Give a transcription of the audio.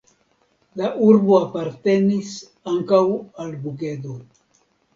La urbo apartenis ankaŭ al Bugedo.